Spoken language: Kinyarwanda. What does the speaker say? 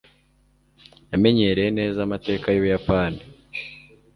Yamenyereye neza amateka yUbuyapani.